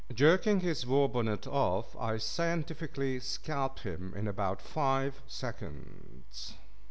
Jerking his war bonnet off, I scientifically scalped him in about five seconds.